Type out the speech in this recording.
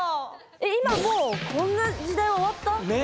えっ今もうこんな時代は終わった？ね。